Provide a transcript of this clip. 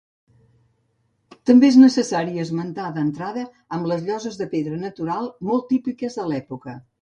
També és necessari esmentar d'entrada amb lloses de pedra natural molt típiques de l'època.